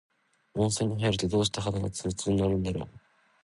温泉に入ると、どうして肌がつるつるになるんだろう。